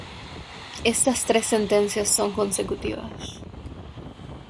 Estas tres sentencia son consecutivas.